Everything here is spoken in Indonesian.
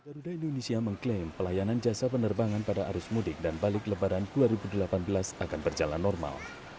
garuda indonesia mengklaim pelayanan jasa penerbangan pada arus mudik dan balik lebaran dua ribu delapan belas akan berjalan normal